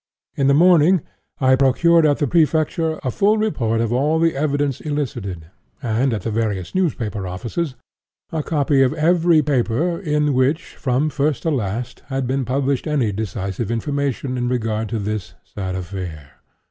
In the morning, I procured, at the Prefecture, a full report of all the evidence elicited, and, at the various newspaper offices, a copy of every paper in which, from first to last, had been published any decisive information in regard to this sad affair.